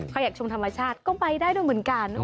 อยากชมธรรมชาติก็ไปได้ด้วยเหมือนกัน